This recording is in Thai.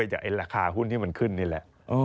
หุ้นที่มันขึ้นนี่แหละ